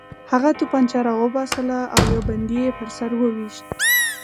هغه توپانچه راوباسله او یو بندي یې په سر وویشت